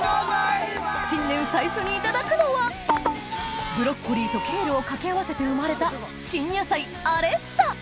新年最初にいただくのはブロッコリーとケールを掛け合わせて生まれた新野菜アレッタ